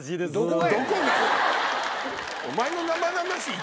お前の「生々しい」